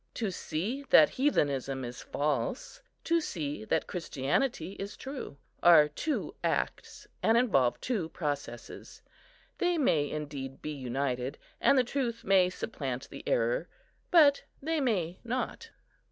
To see that heathenism is false,—to see that Christianity is true,—are two acts, and involve two processes. They may indeed be united, and the truth may supplant the error; but they may not.